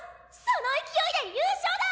その勢いで優勝だ！